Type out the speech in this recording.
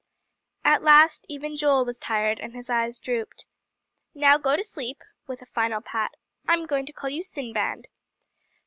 At last even Joel was tired, and his eyes drooped. "Now go to sleep" with a final pat "I'm going to call you Sinbad."